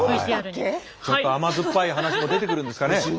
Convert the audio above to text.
ちょっと甘酸っぱい話も出てくるんですかね。